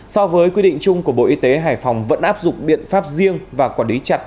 so với quy định chung của bộ y tế hải phòng vẫn áp dụng biện pháp riêng và quản lý chặt